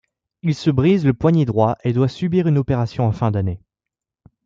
Il se brise le poignet droit et doit subir une opération en fin d'année.